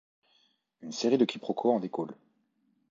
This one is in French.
Une série de quiproquos en découle.